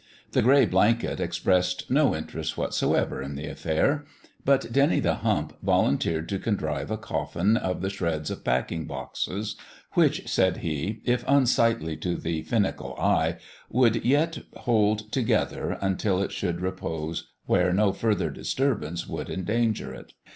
The gray blanket expressed no interest whatso ever in the affair ; but Dennie the Hump volun teered to contrive a coffin of the shreds of packing boxes, which, said he, if unsightly to the finical eye, would yet hold together until it 45 46 PICK AND SHOYEL should repose where no further disturbance could endanger it.